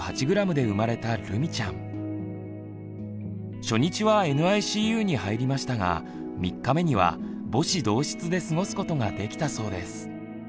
急きょ初日はＮＩＣＵに入りましたが３日目には母子同室で過ごすことができたそうです。